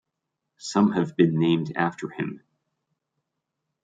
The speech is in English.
Some have been named after him.